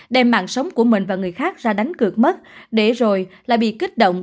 đem mạng sống của mình và người khác ra đánh cược mất để rồi lại bị kích động